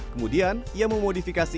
kemudian ia memodifikasi